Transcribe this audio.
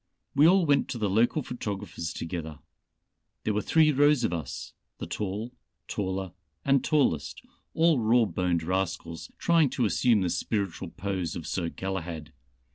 We all went to the local photographers together. There were three rows of us the tall, taller and tallest all raw boned rascals trying to assume the spiritual pose of Sir Galahad.